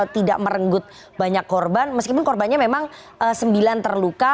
tidak merenggut banyak korban meskipun korbannya memang sembilan terluka